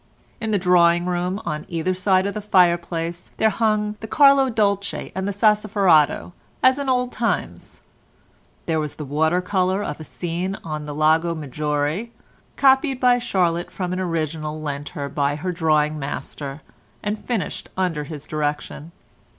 In the drawing room, on either side of the fireplace there hung the Carlo Dolci and the Sassoferrato as in old times; there was the water colour of a scene on the Lago Maggiore, copied by Charlotte from an original lent her by her drawing master, and finished under his direction.